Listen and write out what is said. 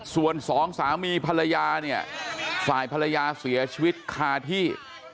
ส่วนสองสามีภรรยาเนี่ยฝ่ายภรรยาเสียชีวิตคาที่